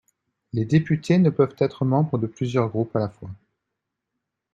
Les députés ne peuvent être membres de plusieurs groupes à la fois.